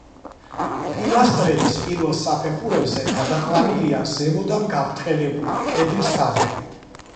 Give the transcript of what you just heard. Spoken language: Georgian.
პილასტრების პირველ საფეხურებზე გადაყვანილია ზემოდან გაბრტყელებული კედლის თაღები.